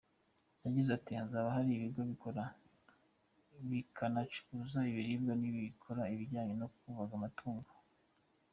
Yagize ati “Hazaba hari ibigo bikora bikanacuruza ibiribwa n’ibikora ibijyanye no kubaga amatungo.